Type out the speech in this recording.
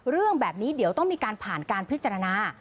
เรื่องแบบนี้เดี๋ยวต้องมีการผ่านการพิจารณา